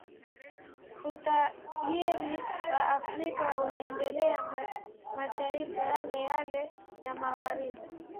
Utajiri wa Afrika unaendeleza mataifa yale yale ya magharibi